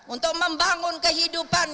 untuk membangun kehidupan